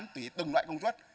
tùy từng loại công suất